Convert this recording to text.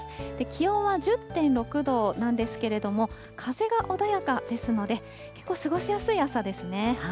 気温は１０．６度なんですけれども、風が穏やかですので、結構過ごしやすい朝ですね。